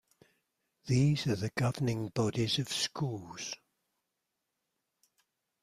These are the governing bodies of schools.